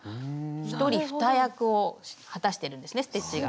一人二役を果たしてるんですねステッチが。